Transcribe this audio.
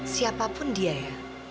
siapapun dia ya